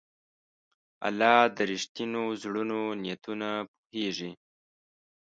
الله د رښتینو زړونو نیتونه پوهېږي.